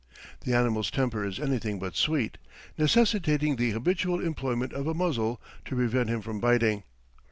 The animal's temper is anything but sweet, necessitating the habitual employment of a muzzle to prevent him from biting.